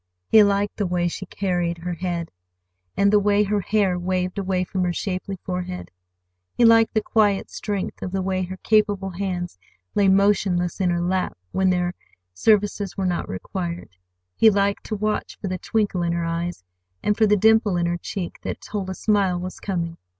He liked the way she carried her head, and the way her hair waved away from her shapely forehead. He liked the quiet strength of the way her capable hands lay motionless in her lap when their services were not required. He liked to watch for the twinkle in her eye, and for the dimple in her cheek that told a smile was coming.